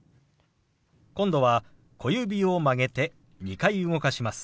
今度は小指を曲げて２回動かします。